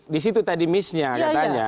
di situ tadi miss nya katanya